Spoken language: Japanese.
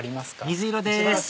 水色です